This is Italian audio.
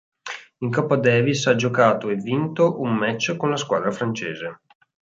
In Coppa Davis ha giocato e vinto un match con la squadra francese.